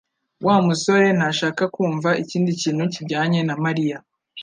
Wa musore ntashaka kumva ikindi kintu kijyanye na Mariya